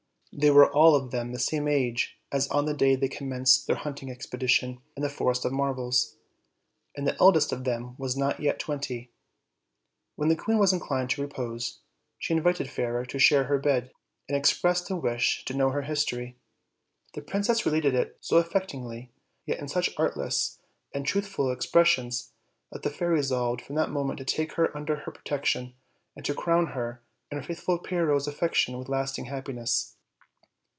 They were all of the same age as on the day they commenced their hunting expedition in the Forest of Marvels, and the eldest of them was not yet twenty. When the queen was inclined to repose, she in vited Fairer to share her bed. and expressed a wish to know her history. The princess related it so affectingly, yet in such artless and truthful expressions, that the fairy resolved from that moment to take her under her protection, and to crown her and her faithful Pyrrho's affection with lasting happiness.